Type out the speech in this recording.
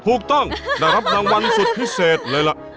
ถูกต้องได้รับรางวัลสุดพิเศษเลยล่ะ